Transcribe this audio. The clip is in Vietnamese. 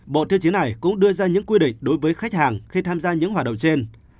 bộ tiêu chí này cũng đưa ra những quy định đối với khách hàng khi tham gia những hoạt động trên